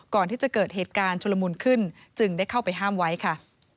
ก่อนที่จะเกิดเหตุการณ์ชุลมุนขึ้นจึงได้เข้าไปห้ามไว้ค่ะ